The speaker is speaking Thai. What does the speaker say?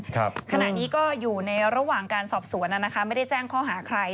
ขณะนี้ก็อยู่ในระหว่างการสอบสวนน่ะนะคะไม่ได้แจ้งข้อหาใคร